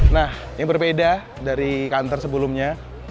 nah yang berbeda dari e counter sebelumnya